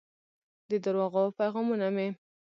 د درواغو پیغامونه مې